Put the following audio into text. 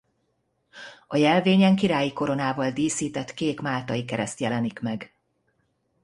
A jelvényen királyi koronával díszített kék máltai kereszt jelenik meg.